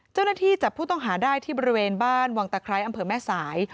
เจ้าหน้าที่จับผู้ต้องหาได้ที่บริเวณบ้านวังตะไคร้อำเภอแม่สาย